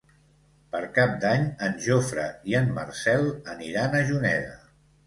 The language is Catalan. Per Cap d'Any en Jofre i en Marcel aniran a Juneda.